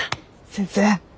先生！